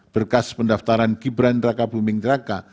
berkas pendaftaran gibran raka buming raka